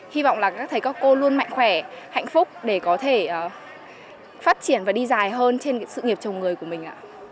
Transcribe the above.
hy vọng là các thầy các cô luôn mạnh khỏe hạnh phúc để có thể phát triển và đi dài hơn trên sự nghiệp chồng người của mình ạ